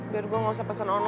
biar gue gak usah pesen online